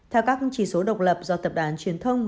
theo các chỉ số độc lập do tập đoàn truyền thông